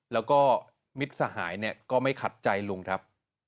แล้วก็มิตรสหายเนี่ยก็ไม่ขัดใจลุงครับ